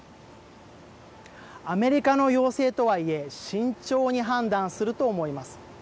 アメリカの要請とはいえ慎重に判断すると思います。